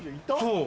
そう。